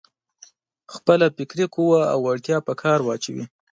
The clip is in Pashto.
خپله فکري قوه او وړتيا په کار واچوي.